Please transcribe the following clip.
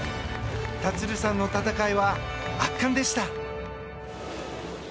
立さんの戦いは圧巻でした。